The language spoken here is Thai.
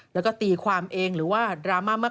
แล้วก็ตีความเองหรือว่าดราม่ามาก